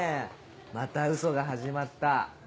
「またウソが始まった。